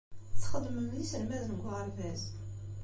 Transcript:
Txeddmem d iselmaden deg uɣerbaz.